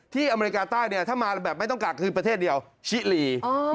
อเมริกาใต้เนี่ยถ้ามาแบบไม่ต้องกักคืนประเทศเดียวชิลี